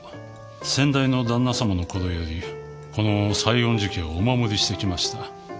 先代の旦那様の頃よりこの西園寺家をお守りしてきました。